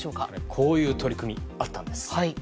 こういう取り組みあったんです。